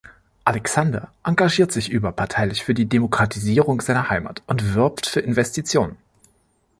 Alexander engagiert sich überparteilich für die Demokratisierung seiner Heimat und wirbt für Investitionen.